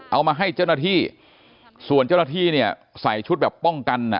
เอามาให้เจ้าหน้าที่ส่วนเจ้าหน้าที่เนี่ยใส่ชุดแบบป้องกันอ่ะ